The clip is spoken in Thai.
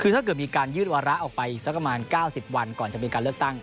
ถ้าเกิดมีการยืดวาระออกไปสัก๙๐วันก่อนจะมีการเลือกตั้ง